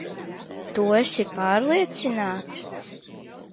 Tu esi pārliecināts?